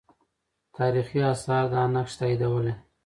تاریخي آثار دا نقش تاییدولې.